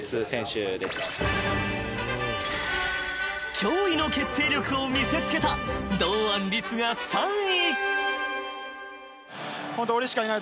［驚異の決定力を見せつけた堂安律が３位］